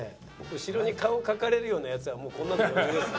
後ろに顔を描かれるようなヤツはもうこんなの余裕ですよ。